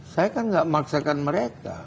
saya kan nggak memaksakan mereka